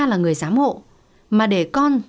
là người giám hộ mà để con